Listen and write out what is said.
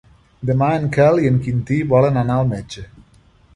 Demà en Quel i en Quintí volen anar al metge.